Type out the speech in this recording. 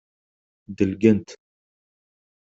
Delgen-t.